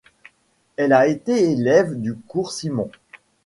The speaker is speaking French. Elle a été élève du cours Simon.